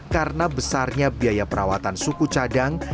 karena besarnya biaya perawatan suku cadang